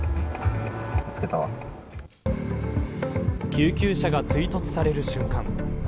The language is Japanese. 救急車が追突される瞬間。